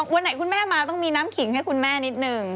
วันไหนคุณแม่มาต้องมีน้ำขิงให้คุณแม่นิดนึง